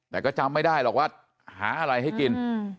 แต่ก็จำไม่ได้หรอกว่าหาอะไรให้กิน